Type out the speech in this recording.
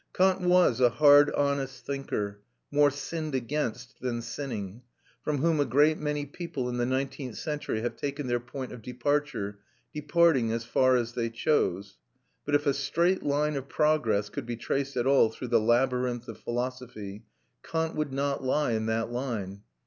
Kant was a hard honest thinker, more sinned against than sinning, from whom a great many people in the nineteenth century have taken their point of departure, departing as far as they chose; but if a straight line of progress could be traced at all through the labyrinth of philosophy, Kant would not lie in that line.